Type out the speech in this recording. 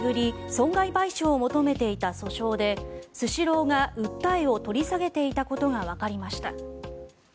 損害賠償を求めていた訴訟でスシローが訴えを取り下げていたことがわかりました。